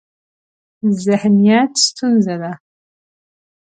ذهنیت ستونزه ده.